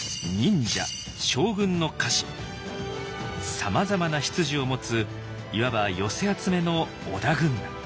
さまざまな出自を持ついわば寄せ集めの織田軍団。